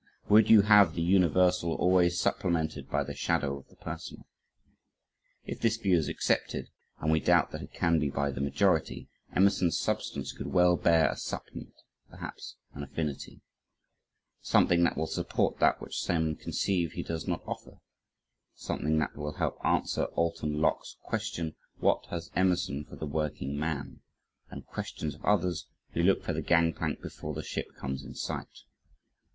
Would you have the universal always supplemented by the shadow of the personal? If this view is accepted, and we doubt that it can be by the majority, Emerson's substance could well bear a supplement, perhaps an affinity. Something that will support that which some conceive he does not offer. Something that will help answer Alton Locke's question: "What has Emerson for the working man?" and questions of others who look for the gang plank before the ship comes in sight.